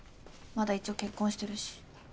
まだ一応結婚してるし。